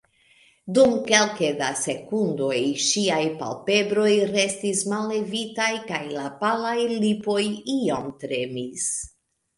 Dum kelke da sekundoj ŝiaj palpebroj restis mallevitaj kaj la palaj lipoj iom tremis.